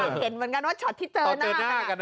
เห็นเหมือนกันว่าช็อตที่เจอหน้ากัน